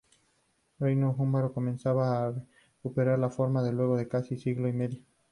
El Reino húngaro comenzaba a recuperar su forma luego de casi siglo y medio.